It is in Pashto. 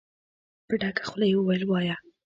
په ډکه خوله يې وويل: وايه!